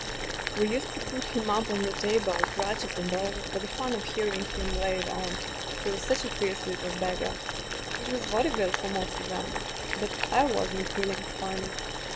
"We used to put him up on the table, crutches and all, for the fun of hearing him lay it on — he was such a fierce little beggar. It was vaudeville for most of *em. But I wasn't feeling funny.